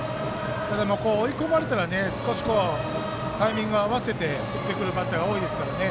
追い込まれたら少しタイミングを合わせて振ってくるバッターが多いですからね。